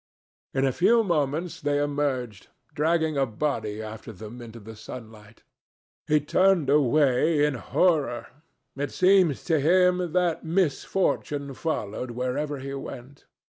In a few moments they emerged, dragging a body after them into the sunlight. He turned away in horror. It seemed to him that misfortune followed wherever he went.